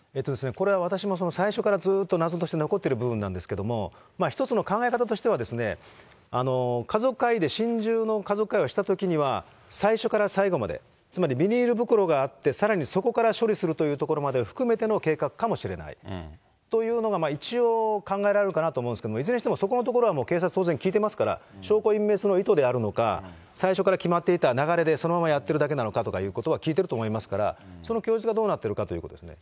これは私も最初からずっと謎として残っている部分なんですけれども、一つの考え方としては、家族会議で、心中の家族会議をしたときには、最初から最後まで、つまりビニール袋があって、さらにそこから処理をするというところまで含めての計画かもしれないというのが、一応、考えられるかなと思うんですけれども、いずれにしても警察は当然聴いていますから、証拠隠滅の意図であるのか、最初から決まっていた流れで、そのままやってるだけなのかということは聴いていると思いますから、その供述がどうなっているかということですね。